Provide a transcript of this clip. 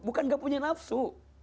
bukan gak punya nafsu